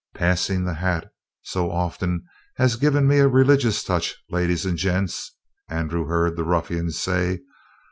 "Passin' the hat so often has give me a religious touch, ladies and gents," Andrew heard the ruffian say.